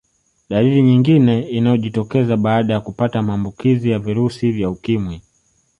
Dalili nyingine inayojitokeza baada ya kupata maambukizi ya virusi vya ukimwi